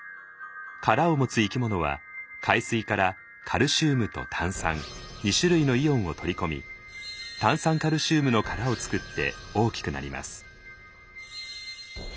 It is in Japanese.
殻を持つ生き物は海水からカルシウムと炭酸２種類のイオンを取り込み炭酸カルシウムの殻を作って大きくなります。